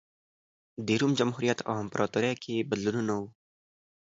د روم جمهوریت او امپراتورۍ کې بدلونونه و